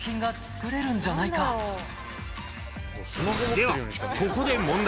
ではここで問題。